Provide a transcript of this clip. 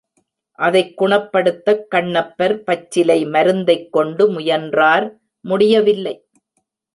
அதைக் குணப்படுத்தக் கண்ணப்பர் பச்சிலை மருந்தைக் கொண்டு முயன்றார் முடியவில்லை.